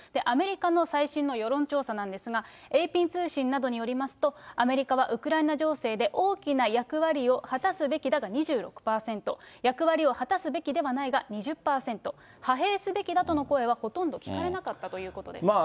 アメリカの最新の世論調査なんですが、ＡＰ通信などによりますと、アメリカはウクライナ情勢で大きな役割を果たすべきだが２６％、役割を果たすべきではないが２０％、派兵すべきだとの声はほとんど聞かれなかったということです。